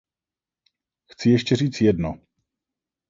Chci ještě říct jedno.